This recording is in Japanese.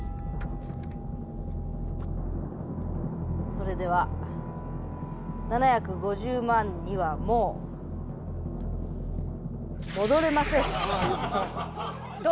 それでは７５０万にはもう戻れません。